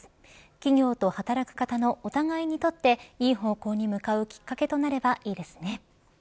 企業と働く方のお互いにとっていい方向に向かうきっかけとなればいいですね。